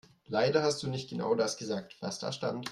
Leider hast du nicht genau das gesagt, was da stand.